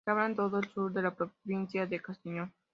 Se habla en todo el sur de la provincia de Castellón.